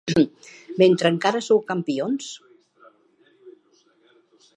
Mentre encara sou campions!